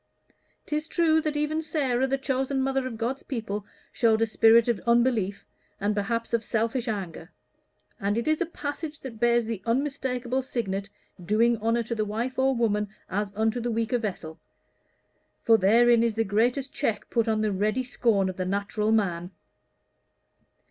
'Tis true that even Sara, the chosen mother of God's people, showed a spirit of unbelief, and perhaps of selfish anger; and it is a passage that bears the unmistakable signet, 'doing honor to the wife or woman, as unto the weaker vessel.' For therein is the greatest check put on the ready scorn of the natural man."